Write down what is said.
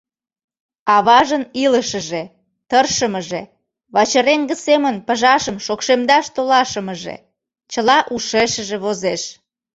Аважын илышыже, тыршымыже, вачыреҥге семын пыжашым шокшемдаш толашымыже — чыла ушешыже возеш.